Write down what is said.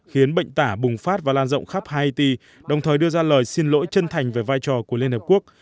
khiến bệnh tả bùng phát và lan rộng khắp haiti đồng thời đưa ra lời xin lỗi chân thành về vai trò của liên hợp quốc